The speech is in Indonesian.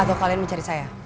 atau kalian mencari saya